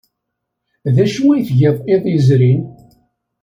D acu ay tgiḍ iḍ yezrin?